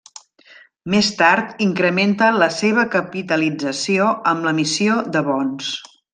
Més tard, increment la seva capitalització amb l'emissió de bons.